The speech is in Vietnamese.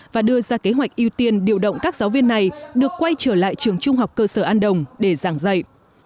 và đưa ra kế hoạch ưu tiên điều động các giáo viên này được quay trở lại trường trung học cơ sở an đồng để giảng dạy